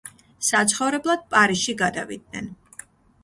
საცხოვრებლად პარიზში გადავიდნენ.